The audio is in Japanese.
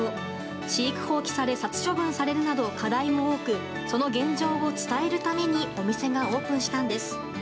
飼育放棄され殺処分されるなど課題も多くその現状を伝えるためにお店がオープンしたんです。